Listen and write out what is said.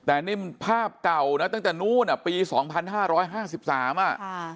แต่นี่มันภาพเก่านะตั้งแต่นู้นอ่ะปีสองพันห้าร้อยห้าสิบสามอ่ะค่ะ